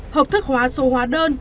hợp thức hóa số hóa đơn